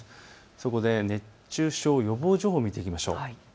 そこで熱中症予防情報を見ていきましょう。